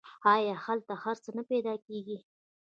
آیا هلته هر څه نه پیدا کیږي؟